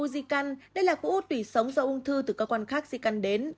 u di căn đây là khối u tùy sống do ung thư từ các quan khác di căn đến